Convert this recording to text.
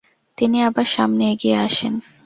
তিনি আবার সামনে এগিয়ে আসেন।